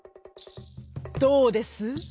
「どうです？